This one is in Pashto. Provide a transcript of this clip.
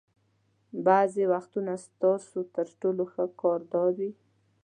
بعضې وختونه ستاسو تر ټولو ښه کار دا وي.